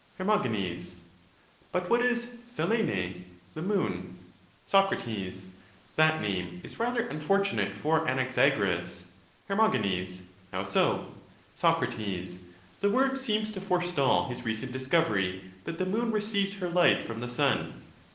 Her. But what is oeXjjv?] (the moon)? Soc. That name is rather unfortunate for Anaxagoras. Her. How so? Soc. The word seems to forestall his recent discovery, that the moon receives her light from the sun.